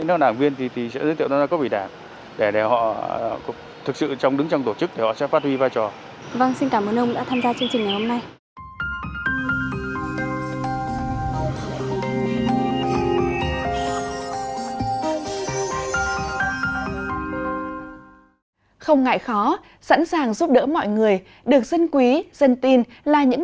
những đảng viên thì sẽ giới thiệu vào cấp ủy đảng